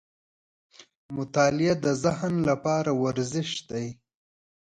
• مطالعه د ذهن لپاره ورزش دی.